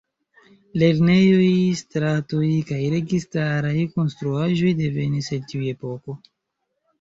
Lernejoj, stratoj kaj registaraj konstruaĵoj devenis el tiu epoko.